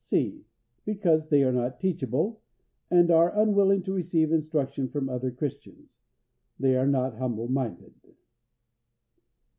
(c) Because they are not teachable, and are unwilling to receive instruction from other Christians. They are not humble minded.